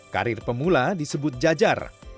karir pemula disebut jajar